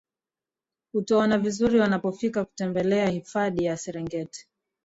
kutoona vizuri wanapofika kutembelea hifadi ya Serengeti